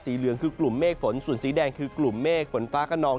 เหลืองคือกลุ่มเมฆฝนส่วนสีแดงคือกลุ่มเมฆฝนฟ้าขนอง